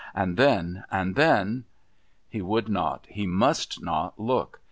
And then and then He would not, he must not, look.